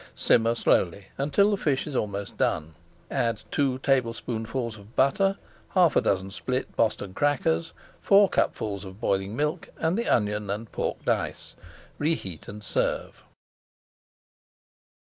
Simmer slowly until the fish is almost done, add two tablespoonfuls of butter, half a dozen split Boston crackers, four cupfuls of boiling milk, and the onion and pork dice. Reheat and serve.